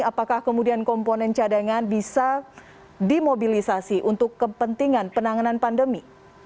apakah kemudian komponen cadangan bisa dimobilisasi untuk kepentingan penanganan pandemi